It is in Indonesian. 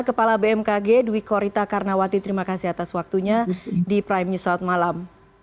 kepala bmkg dwi korita karnawati terima kasih atas waktunya di prime news saat malam